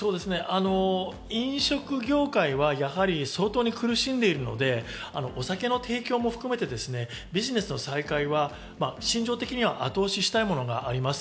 飲食業界は、やはり相当、苦しんでいるので、お酒の提供も含めてビジネスの再開は心情的には後押ししたいものがあります。